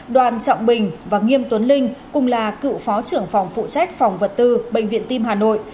đoàn trọng bình và nghiêm tuấn linh cùng là cựu phó trưởng phòng phụ trách phòng vật tư bệnh viện tim hà nội